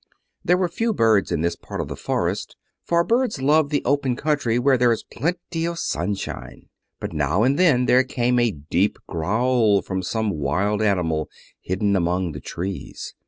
There were few birds in this part of the forest, for birds love the open country where there is plenty of sunshine. But now and then there came a deep growl from some wild animal hidden among the trees.